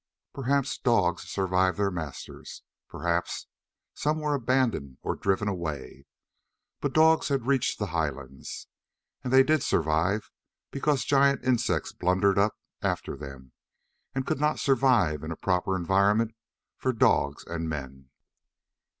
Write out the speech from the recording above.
Perhaps dogs survived their masters. Perhaps some were abandoned or driven away. But dogs had reached the highlands. And they did survive because giant insects blundered up after them, and could not survive in a proper environment for dogs and men.